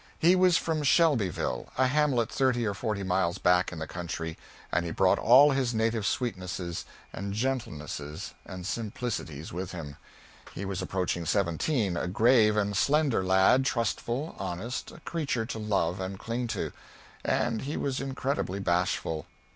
He was from Shelbyville, a hamlet thirty or forty miles back in the country, and he brought all his native sweetnesses and gentlenesses and simplicities with him. He was approaching seventeen, a grave and slender lad, trustful, honest, a creature to love and cling to. And he was incredibly bashful.